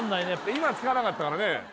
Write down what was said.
今使わなかったからね